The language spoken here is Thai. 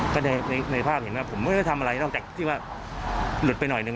ก็ในภาพเห็นว่าผมไม่ได้ทำอะไรนอกจากที่ว่าหลุดไปหน่อยหนึ่ง